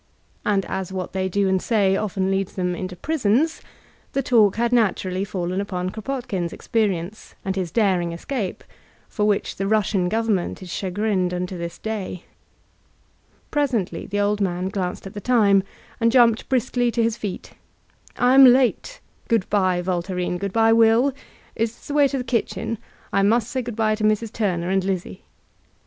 And as what they do and say often leads them into prisons, the talk had naturally faOcn upon Kropotkin's experience and his daring escape^ for which the Russian government is chagrined unto this day. Presently the old man glanced at the time, and jumped briskly to his feet: ''I am late. Good by, Voltairine; good by, WilL Is this the way to the kitchen? I must say good*by to Mrs. Turner and Lizzie."